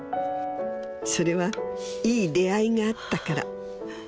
それはいい出会いがあったから。